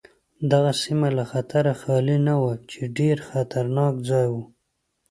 دغه سیمه له خطره خالي نه وه چې ډېر خطرناک ځای و.